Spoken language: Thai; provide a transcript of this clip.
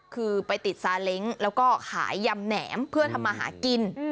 คือไปติดซาเล้งแล้วก็ขายยำแหนมเพื่อทำมาหากิน